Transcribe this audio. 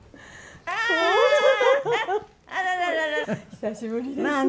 久しぶりですね。